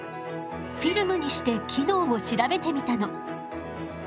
フィルムにして機能を調べてみたの。